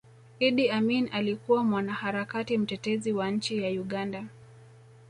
idi amini alikuwa mwanaharakati mtetezi wa nchi ya uganda